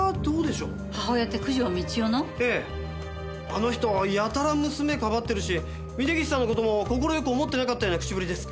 あの人やたら娘かばってるし峰岸さんの事も快く思ってなかったような口ぶりです。